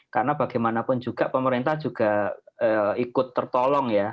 karena bagaimanapun juga pemerintah juga ikut tertolong ya